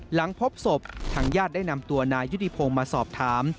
หลังพบศพทางญาติได้นำตัวนายยุติพงศ์มาสอบถาม